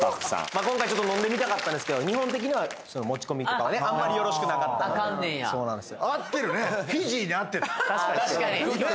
今回ちょっと飲んでみたかったんですけど日本的には持ち込みとかはねあんまりよろしくなかったんであかんねんやそうなんです